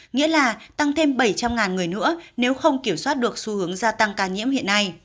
nghĩa là tăng thêm bảy trăm linh người nữa nếu không kiểm soát được xu hướng gia tăng ca nhiễm hiện nay